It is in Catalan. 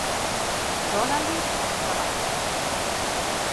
Dona-li els treballs.